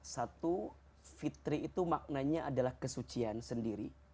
satu fitri itu maknanya adalah kesucian sendiri